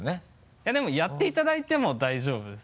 いやでもやっていただいても大丈夫です。